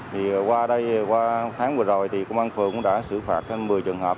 thì qua đây qua tháng vừa rồi thì công an phường cũng đã xử phạt trên một mươi trường hợp